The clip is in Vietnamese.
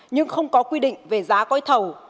nhưng không có quy định về giá gói thầu